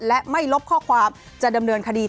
และไม่ลบข้อความจะดำเนินคดี